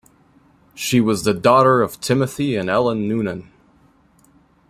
She was the daughter of Timothy and Ellen Noonan.